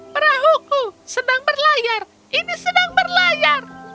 perahuku sedang berlayar ini sedang berlayar